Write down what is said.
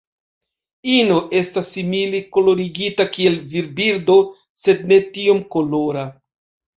Ino estas simile kolorigita kiel virbirdo, sed ne tiom kolora.